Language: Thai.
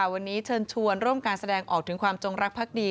วันนี้เชิญชวนร่วมการแสดงออกถึงความจงรักภักดี